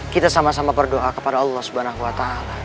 kita sama sama berdoa kepada allah swt